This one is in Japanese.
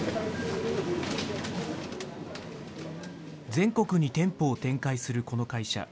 全国に店舗を展開するこの会社。